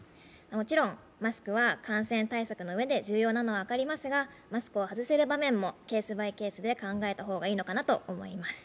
もちろん、マスクは感染対策のうえで重要なのは分かりますが、マスクを外せる場面もケース・バイ・ケースで考えた方がいいのかなと思います。